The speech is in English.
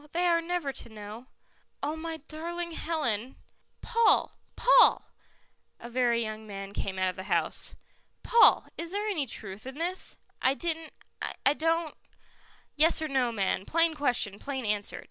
They are never to know." "Oh, my darling Helen " "Paul! Paul!" A very young man came out of the house. "Paul, is there any truth in this?" "I didn't I don't " "Yes or no, man; plain question, plain answer.